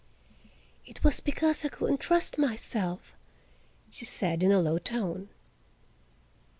"It was because I couldn't trust myself," she said in a low tone.